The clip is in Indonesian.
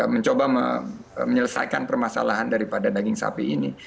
mencoba menyelesaikan permasalahan daripada daging sapi ini